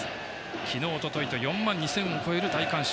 昨日、おとといと４万２０００を超える大観衆。